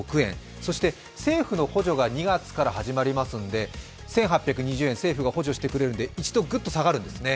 そして政府の補助が２月から始まりますので１８２０円、政府が補助してくれるので一度下がるんですね。